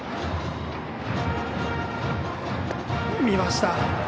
見ました。